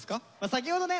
先ほどね